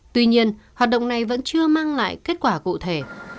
tuy nhiên hoạt động này vẫn chưa mang lại kết quả cụ thể